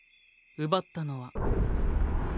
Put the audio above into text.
奪ったのは。